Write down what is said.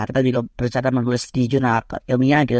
kita belum bercadang sama beres di jogja